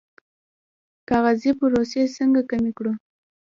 کاغذي پروسې څنګه کمې کړو؟